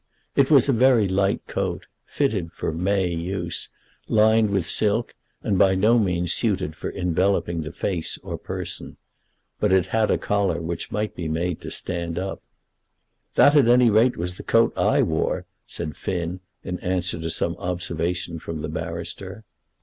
It was a very light coat, fitted for May use, lined with silk, and by no means suited for enveloping the face or person. But it had a collar which might be made to stand up. "That at any rate was the coat I wore," said Finn, in answer to some observation from the barrister.